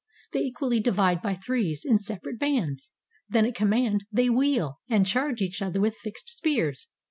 They equally divide By threes, in separate bands. Then at command They wheel, and charge each other with fixed spears.